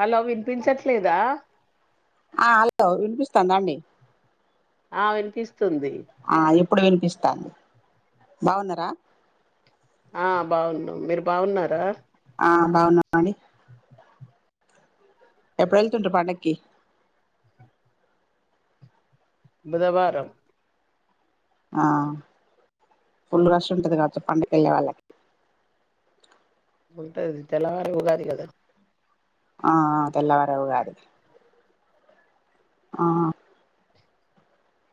Hello వినిపించట్లేదా ఆ hello వినిపిస్తాందండి ఆ వె తీసుకు స్తుంది ఆ ఇప్పుడు వినిపిస్తాంది బాగున్నారా ఆ బాగున్నా మీరు బాగున్నారా ఆ బాన మడి ఎప్పుడు వెళ్తుంట్రారు పండక్కి బుధవారం ఆ ఫుల్ రష్ ఉంటది కాబచ్చటి పండగ వెళ్ళే వాళ్ళకి ఉంటది తెలవాల ఉగాది కదా ఆ అ తెల్లవరవుగాది ఆ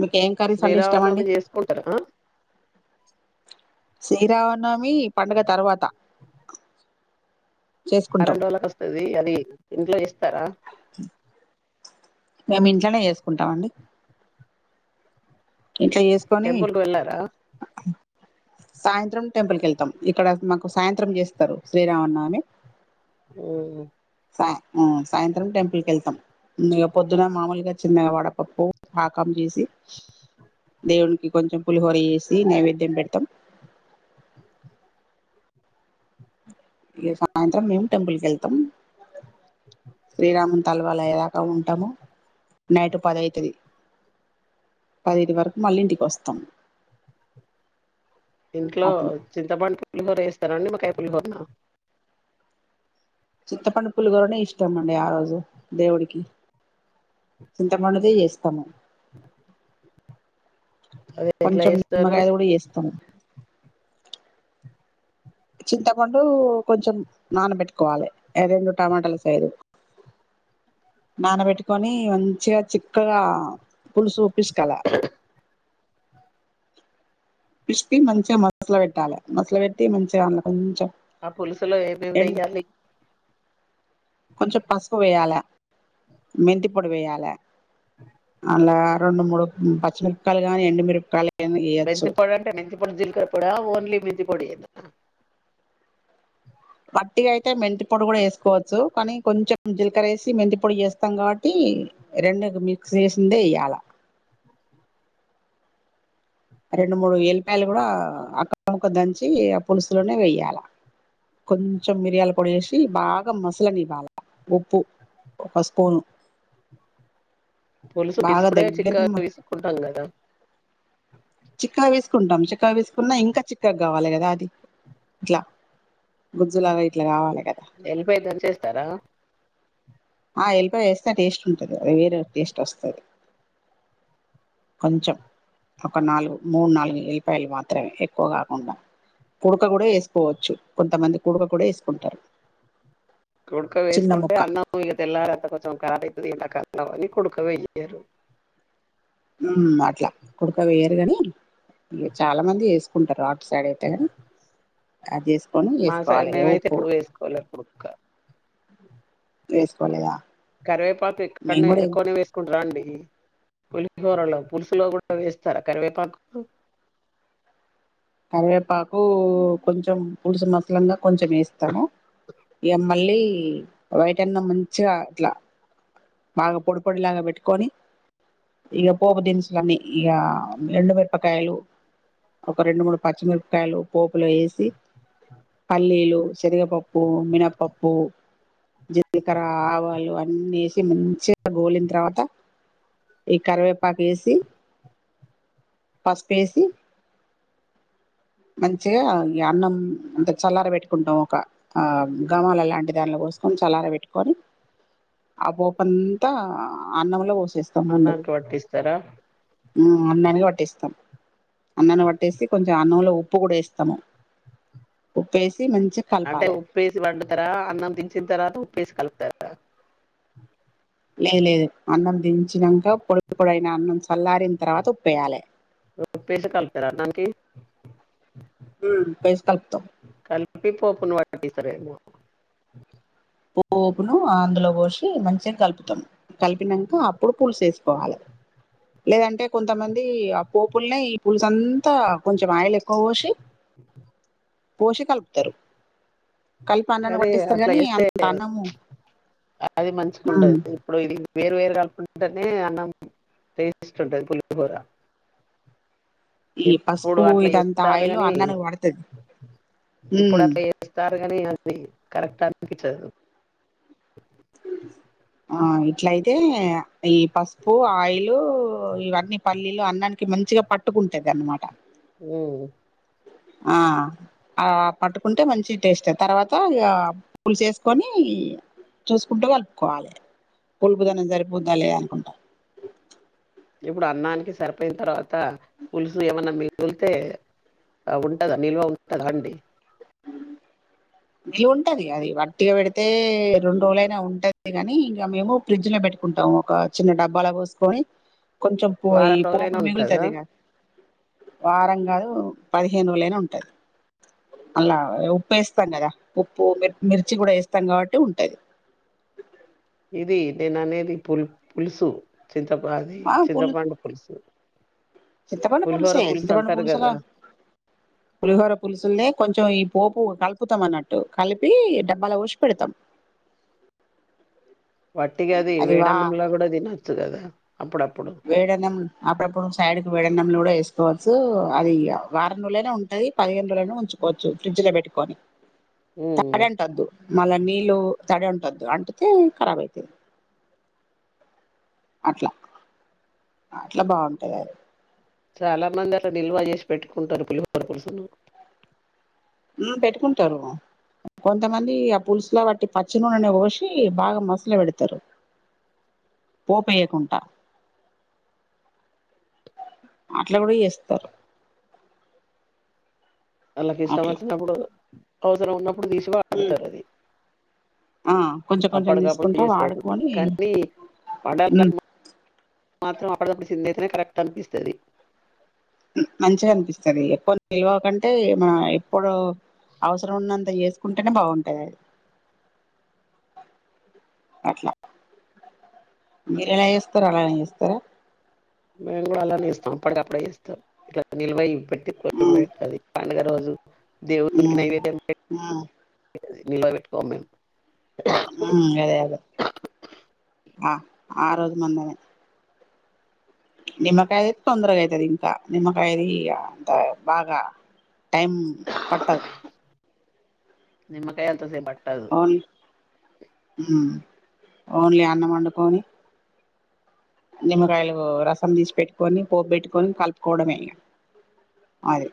మీకు ఏం కర్రీస్ అంటె ఇష్టమ అండి శ్రీరామనవమి చేసుకుంటారా శీరావన్నా మీ పండుగ తర్వాత చేసుకుంటాం వారం రోజులకు వస్తది అది ఇంట్లో ఇస్తారా మేము ఇంట్లోనే చేసుకుంటామండి ఇంట్లో చేసుకోని టెంపుల్ కు వెళ్ళారా సాయంత్రం టెంపుల్ కి వెళ్తాం ఇక్కడ మాకు సాయంత్రం చేస్తారు శ్రీరామనవమి ఓ సా ఉమ్ సాయంత్రం టెంపుల్ కి వెళ్తాం ఇగ పొద్దున మామూలుగా చిన్నగా వడపప్పు పాకం చేసి దేవునికి కొంచెం పులిహోర చేసి నైవేద్యం పెడతాం ఇగ సాయంత్రం మేము టెంపుల్కి వెళ్తాం శ్రీరాముం తలవాలు అయ్యాక ఉంటాము నైటు పదైతుది పదైదు వరకు మళ్ళీ ఇంటికి వస్తాము ఇంట్లో చింతపండు పులిహోర చేస్త చేస్తారండీ నిమ్మకాయ పులిహోర నా చింతపండు పులిహోరనే ఇష్టం అండి ఆ రోజు దేవుడికి చింతపండుదే చేస్తాము అది ఎట్లా కొంచెం చేస్తారు నిమ్మగాయది కూడా చేస్తాము చింతపండు కొంచెం నానబెట్టుకోవాలి రెండు టమాటాల సైజు నానబెట్టుకొని మంచిగా చిక్కగా పులుసు పిస్కలా పిస్క్ పిసికి మంచిగా మసల పెట్టాలి మసలు పెట్టి మంచిగా అందులో కొంచెం ఆ పులుసులో ఏమేమి వేయ్యాలి కొంచెం పసుపు వేయాల మెంతి పొడి వేయాల అందులో రెండు మూడు పచ్చిమిరపకాయల్ గాని ఎండుమిరపకాయలు గాని వేయొచ్చు మెంతిపొడి అంటే మెంతిపొడి జీలకర్ర పొడా ఓన్లీ మెంతిపొడి ఒట్టిగా అయితే మెంత పొడి కూడా వేసుకోవచ్చు కానీ కొంచెం జీలకర్ర వేసి మెంత పొడి చేేస్తాం కాబట్టి రెండు మిక్స్ చేసిందే ఎయ్యాల రెండు మూడు ఎల్లిపాయలు కూడా అక్కముక్కగా దంచి ఆ పులుసులోనే వేయ్యాల కొంచెం మిరియాల పొడి వేశి బాగా మసలనివ్వాల ఉప్పు ఒక స్పూను పులుసు బాగా పిసుకుడే దగ్గరికి చిక్కగా పిసుక్కుంటాం కదా [inaudible] చిక్కగా పిస్కుంటాం చిక్కాగా పిసుక్కున్న ఇంకా చిక్కగా కావాలి కదా అది ఇట్లా గుజ్జులాగా ఇట్లా కావాలి కదా వెల్లిపాయ దంచేస్తారా ఆ ఎల్లిపాయ వేస్తే టేస్ట్ ఉంటుంది కదా అది వేరే టేస్ట్ వస్తుంది కొంచెం ఒక నాలుగు మూడు నాలుగు ఎల్లిపాయలు మాత్రమే ఎక్కువ కాకుండా కుడక కూడా వేసుకోవచ్చు కొంతమంది కుడక కూడా వేసుకుంటారు కుడక చిన్న వేసుకుంటే ముక్క అన్నం ఇగ తెల్లారంత కొంచెం కదవుతుంది [unintelligible] ఇ క అని కొడుకవయ్యారు ఉమ్ అట్లా కుడక వేయరు కాని చాలా మంది వేసుకుంటారు సరే అయితే అది వేస్కో మా సైడ్ అయితే మేమైతే ఎప్పుడు వేసుకోవాలి ఉప్పు వేసుకోలేదా [inaudible] కరివేపాకు మేము ఎక్కవనే కూడా ఎక్కువనే వేసుకుంటార అండి పులిహోరలో పులుసులో కూడా వేస్తారా కరివేపాకు కరివేపాకు కొంచెం పులుసు మసలంగా కొంచెం వేస్తాము ఇగ మళ్ళీ వైట్ అన్నం మంచిగా ఇట్లా బాగా పొడి పొడిలాగా పెట్టుకొని ఇక పోపు దినుసులన్నీ ఇక ఎండుమిరపకాయలు ఒక రెండు మూడు పచ్చిమిరపకాయలు పోపు పప్పులో వేసి పల్లీలు శనగపప్పు మినపప్పు జీలకర ఆవాలు అత్ ఉన్నిస్ తి మంచిగా గోలిన తర్వాత ఈ కరివేపాకు వేసి పసుపు వేసి మంచిగా అన్నం అంత చల్లార పెట్టుకుంటాం ఒక గమాల లాంటి దానిలో పోసుకొని చల్లార పెట్టుకొని ఆ పోపు అంతా అన్నంలో వోసు తేస్తా ముందు అన్నానికి పట్టిస్తారా ఉమ్ అన్ని అనగా వట్ వేస్తాం అన్నంలో వట్టేసి కొంచెం అన్నంలో ఉప్పు కూడా వేస్తాము ఉప్పు వేసి మంచిగా అంటే కలపాలి ఉప్పేసి వండుతారా అన్నం దించిన తర్వాత ఉప్పు ఉప్పు వేసి కలుపుతారా లేదు లేదు అన్నం దించినాక పొడిపొడైన అన్నం చల్లారిన తర్వాత ఉప్పు ఏయాలే ఉప్పేసి కలుపుతారా అన్నానికి హమ్ ఉప్పేసి కలుపుతం ఇప్పి పోపును పటిస్తరేమో ఉ పోపును అందులో పోసి మంచిగా కలుపుతాం కలిపినంకా అప్పుడు పులుసు వేసుకోవాలే లేదంటే కొంతమంది ఆ పోపులనే ఈ పులుసు అంతా కొంచెం ఆయిల్ ఎక్కువ పోసి పోసి కలుపుతారు కలిపి అన్లనే వట్టిస్తారు గని అం ఏ అది మంచిగా ఉమ్ ఉండది ఇప్పుడు ఇది వేరు వేరు గలుపు ఉంటనే అన్నం టెస్ట్ ఉంటది పులిహోరా ఈ పసుపు ఇదంతా ఆయిలు అన్ననికి వడుతది ఊ గనీ అది కరెక్ట్ అనిపించదు ఆ ఇట్లయితే ఈ పసుపు ఆయిలు ఇవన్నీ పల్లీలు అన్నానికి మంచిగా పట్టుకుంటది అనమాట రాన ఆ ఆ పట్టుకుంటే మంచి టేస్ట్ తర్వాత ఇగ పులుసు ఏసుకొని చూసుకుంటూ కలుపుకోవాలే పులుపుదనము సరిపోద్దా లేదా అనుకుంటా ఇప్పుడు అన్నానికి సరిపేయిన తర్వాత టా పులుసు ఏమన్న మి మిగులుతే ఆ ఉంటద నిల్వ ఉంటదా అండి నిల్వ ఉంటది అది వట్టిగ వెడితే రెండు రోజులైనా ఉంటది లే గని ఇగ మేము ఫ్రిడ్జ్ నే పెట్టుకుంటాము ఒక చిన్న డబ్బాల వోసుకొని కొంచెం పో ఈ వారం పోపు రోజులైనా ఉంటదా మిగులుతది గా వారం కాదు పదిహేను రోలుయినా ఉంటది అల ఉప్పు వేసు ఉత్తమ్ గద ఉప్పు మిర్ మిర్చి గూడ ఏస్తాం గాబట్టి ఉంటది ఇది నేను అనేది పుల్ పులుసు చింతపా అది ఆ పులు చింతపండు పులుసు చింతపండు పులిహోర పులుసే పులుసు చింతపండు అంటారు పులుసులా కదా పులిహోర పులుసులనే కొంచెం ఇప్ పోపు కలుపుతము అన్నట్టు కలిపి డబ్బాల ఓసి పెడతము వట్టిగ అది వేడి అన్నంలో గూడ తిన చీ కథ వేడి అన్నం అప్పుప్పుడు సైడుకు వేడనంలు గుడా వేసు కోచ్చు అది వారం రోజులై ఉంటది పదిహేనురోజులు అయినా ఉంచుకోవచ్చు ఫ్రిడ్జిలో పెట్టుకొని ఉమ్. తడంటదు మళ్ళ నీల్ లో తడంటొద్దు అంటతే ఖరాబ్ అయితది అట్ల అట్ల బాగుంటదది చాలా మంది అట్ల నిల్వ జేసి పెట్టుకుంటరు పులిహోర పులుసును పెట్టుకుంటరు కొంతమంది ఆ పులుసుల వట్టి పచ్చి నూనే వెసి బాగా మసుల వెడతరు పోపె యకుంట అట్ల గుడ చెస్తరు అళ్ళకి ఇష్టం వచ్చినపూడు [unintelligible] అప్పుడు ధీసిన ఉమ్, వడతదది ఆ కొంచెం కొంచెం అప్పటికప్పుడు తీసుకుంటా చేసి అతుంట [unintelligible] వాడుకొని కాని పడ ఉమ్ [unintelligible] మాత్రం అప్పడదప్పడి సిందితనే కరెక్ట్ అనిపిస్తది మంచిగ అనిపిస్తది ఎక్కువ నిల్వకంటే మన ఎప్పుడు అవసరం ఉన్నంత చేసుకుంటేనే బాగుంటది అట్లా మీరు ఎలా చేస్తరు అలాగనే చేస్తరా మేము గుడా అలనే జేస్తాం ఎప్పటిదప్పుడే జేస్తాం ఇట్లా నిల్వై పెట్కొ అది కానుగ రోజు ఆ ఆ నిలావిట్కో మేము అదే అదే ఆ ఆ రోజు మందే నిమ్మకాయ తొందరగా అయితది ఇంకా నిమ్మకాయకీ అంత బాగా టైం పట్టదు నిమ్మకాయ అంటే తింటా అవున్ ఓన్లీ అన్నం వండుకోని నిమ్మకాయలు రసం తీసి పెట్టుకొని పోపు పెట్టుకొని కలుపుకోవడమే ఇగ అది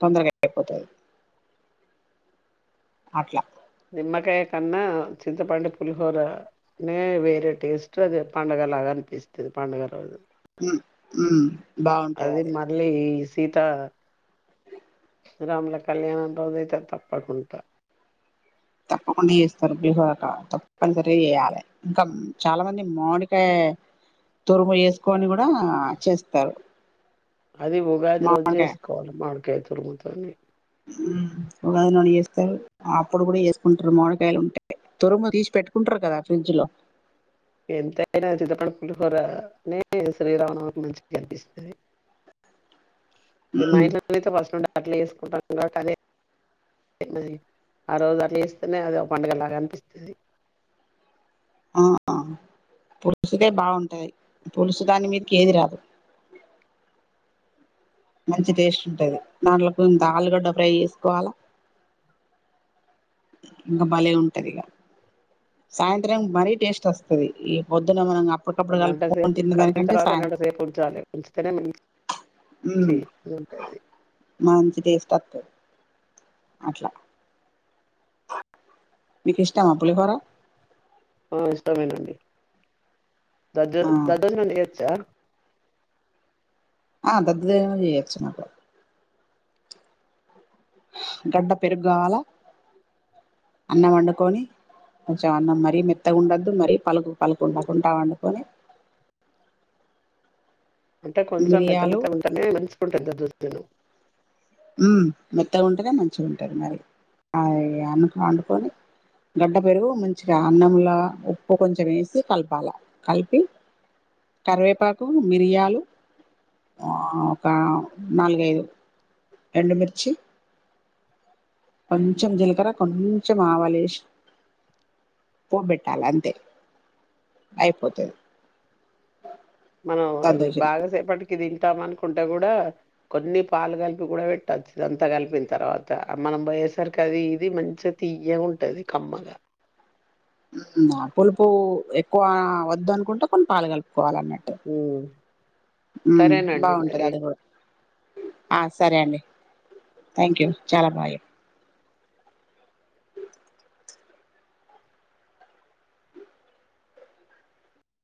తొందరగా అయిపోతుంది అట్లా నిమ్మకాయ కన్నా చింతపండు పులిహోరనే వేరే టేస్ట్ అది పండుగ లాగా అనిపిస్తుంది పండుగ రోజు ఉహ్ ఉహామ్ అదే మర్లీ సీత రాముల కళ్యాణం రోజ అయితే తప్పకుండా తప్పకుండా చేస్తారు పులిహో తప్పనిసరి చేయాలి ఇంకా చాలా మంది మామిడికాయ తురుగు వేసుకొని కూడా కూడా చేస్తారు అది ఉగాదిరోజు మామిడికాయ చేస్కోవల్ మాకైతే కాని ఒక న చేస్తారు అప్పుడు కూడా చేసుకుంటారు మామిడికాయలు ఉంటే తురంగ తీసి పెట్టుకుంటారు కదా ఫ్రిడ్జ్ లో ఎంతయినా చిత్రపండు పులిహోరనే శ్రీరావణ మంచి కనిపిస్తుంది మా ఉమ్, ఇంట్లో అయితే ఫస్ట్ ఉండాలి [unintelligible] అట్లు తీసుకుంటాం కాబట్టి అది ఆ రోజు అట్లు చేస్తేనే అది ఒక పండుగలాగ అనిపిస్తుంది ఆ పులుసుకే బాగుంటాయి పులుసు దాని మీ ఎది రాదు మంచి టేస్ట్ ఉంటుది దాంట్లో ఇంత ఆలుగడ్డ ఫ్రై చేసుకోవాలా ఇంకా భలే ఉంటది ఇక సాయంత్రం మరీ టేస్ట్ వస్తుది ఈ పొద్దున మనం ఒక అప్పటికప్పుడు గంట కలుపుకొని సేపు కడిగిన తిన్నదానికంటే తర్వాత గంట సాయంత్రం సేపు అంట ఉమ్, మంచి టేస్ట్ వస్తది అట్లా మీకు ఇష్టామా పులిహోర ఆ ఇష్టమేనండి దజ ఆ, దర్ధోజనం చేయచ [unintelligible] దర్ధోజనం చేయచ్చు [inaudible] గడ్డ పెరుగు కావాలా అన్నం వండుకొని కొంచెం అన్నం మరీ మెత్తగా ఉండద్దు మరీ పలుకు పలుకుండకుంటా వండుకొని అంటే కొంచెం మిరియాలు మేతమేతే ఉంటేనే మంచుకుంటుది చలు హుమ్ మెత్తగా ఉంటేనే మంచిగా ఉంటుంది మరి అ అన్నం వండుకొని గడ్డ పెరుగు మంచిగా అన్నంల ఉప్పు కొంచెం వేసి కలపాలి కలిపి కరివేపాకు మిరియాలు ఒక నాలుగైదు ఎండుమిర్చి కొంచెం జిలకర కొంచెం ఆవాల వేసి పోబెటాలీ అంతే అయిపోతది మనం అది దద్దోజనం బాగాసేపటికి ఇవి తింటాం అనుకుంటే కూడా కొన్ని పాలు కలిపి కూడా పెట్టచ్చు ఇదంతా కలిపిన తర్వాత మనం పోయేసరికి అది ఇది మంచిగా తీయ్యగ ఉంటుంది కమ్మగా పులుపు ఎక్కువ వద్దు అనుకుంటే కొన్ని పలుగలుపు కోవాలన్నట్టు ఉమ్. హు సరేనండి బాగుంటది మరి అది కూడా ఆ సరే అండి థాంక్యూ చాలా బాగు